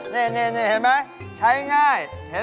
เนื้อแป้งดี